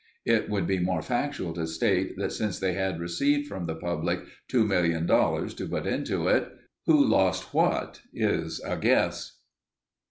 It would be more factual to state that since they had received from the public $2,000,000 to put into it, who lost what is a guess.